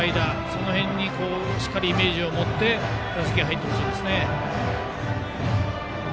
その辺にしっかりイメージを持って打席に入ってほしいですね。